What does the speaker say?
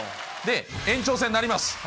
延長戦になります。